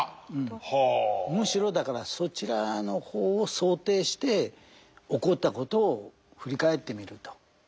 むしろだからそちらの方を想定して起こったことを振り返ってみると。